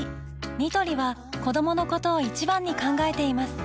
ニトリは子どものことを一番に考えています